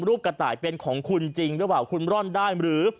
กระต่ายเป็นของคุณจริงหรือเปล่าคุณร่อนได้หรือ